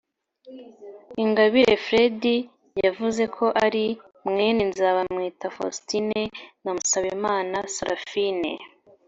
Ingabire Freddy yavuze ko ari mwene Nzabamwita Faustin na Musabimana Serafine